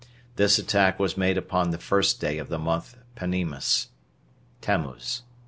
This attack was made upon the first day of the month Panemus [Tamuz.